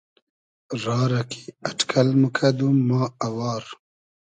را رۂ کی اݖکئل موکئدوم ما اوار